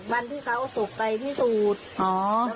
วันที่เขาสกไปพี่สูตร